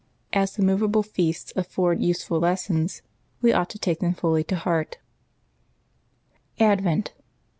As the movable feasts afford useful lessons, we ou 'it to take them fully to heart ADVENT.